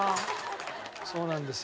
そうなんですよ。